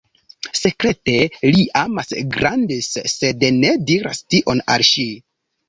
Sekrete li amas Grandis, sed ne diras tion al ŝi.